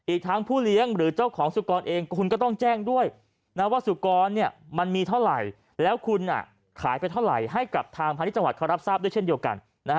อีกทั้งผู้เลี้ยงหรือเจ้าของสุกรเองคุณก็ต้องแจ้งด้วยว่าสุกรมันมีเท่าไหร่แล้วคุณขายไปเท่าไหร่ให้กับทางพาณิชยจังหวัดเขารับทราบด้วยเช่นเดียวกัน